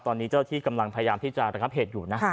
ตอนนี้เจ้าที่กำลังพยายามที่จะระงับเหตุอยู่นะ